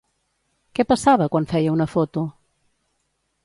Què passava quan feia una foto?